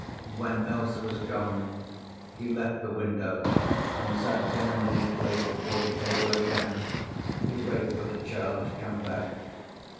When Else was gone, he left the window and sat down in his place before the table again, to wait for the child to come back.